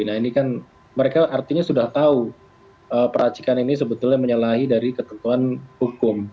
nah ini kan mereka artinya sudah tahu peracikan ini sebetulnya menyalahi dari ketentuan hukum